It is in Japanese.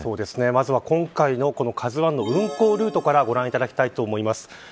まずは今回のＫＡＺＵ１の運航ルートからご覧いただきたいと思います。